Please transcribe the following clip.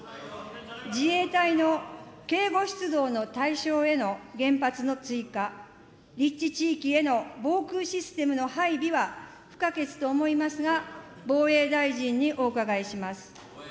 自衛隊の警護出動の対象への原発の追加、立地地域への防空システムの配備は不可欠と思いますが、防衛大臣にお伺いします。